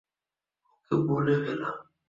ওকে, বলে ফেল।